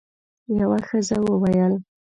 یوه ښځه وویل: